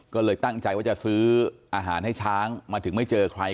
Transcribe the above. ก็เลยตั้งใจว่าจะซื้ออาหารให้ช้างมาถึงไม่เจอใคร